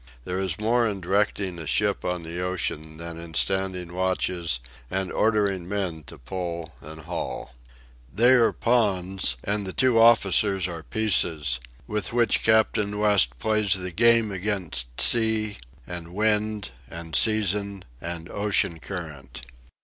There is more in directing a ship on the ocean than in standing watches and ordering men to pull and haul. They are pawns, and the two officers are pieces, with which Captain West plays the game against sea, and wind, and season, and ocean current.